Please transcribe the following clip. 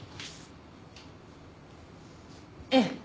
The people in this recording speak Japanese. ええ。